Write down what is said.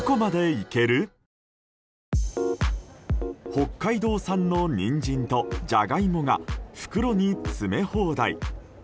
北海道産のニンジンとジャガイモが袋に詰め放題。